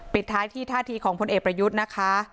ปิดท้ายที่ท่าทีของพลเอกประยุทธ์นะคะ